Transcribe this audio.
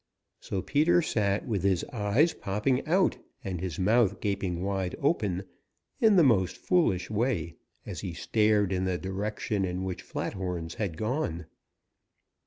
So Peter sat with his eyes popping out and his mouth gaping wide open in the most foolish way as he stared in the direction in which Flathorns had gone.